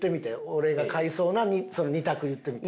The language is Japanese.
俺が買いそうな２択言ってみて。